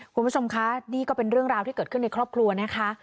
คุณผู้ชมคะนี่ก็เป็นเรื่องราวที่เกิดขึ้นในครอบครัวนะคะ